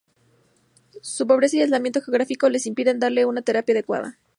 Su pobreza y aislamiento geográfico les impiden darle una terapia adecuada.